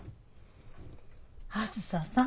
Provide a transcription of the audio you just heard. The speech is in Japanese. あづささん。